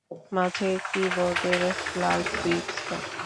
মাঝের কীবোর্ডের লাল সুইচটা।